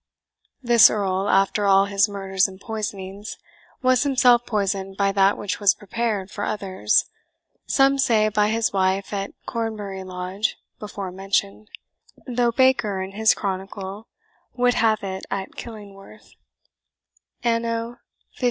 This Earl, after all his murders and poisonings, was himself poisoned by that which was prepared for others (some say by his wife at Cornbury Lodge before mentioned), though Baker in his Chronicle would have it at Killingworth; anno 1588."